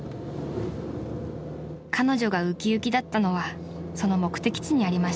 ［彼女が浮き浮きだったのはその目的地にありました］